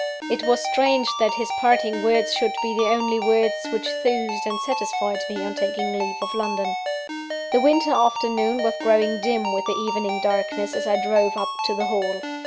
It was strange that his parting words should be the only words which soothed and satisfied me on taking leave of London. The winter afternoon was growing dim with the evening darkness, as I drove up to the Hall.